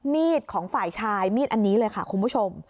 ของฝ่ายชายมีดอันนี้เลยค่ะคุณผู้ชม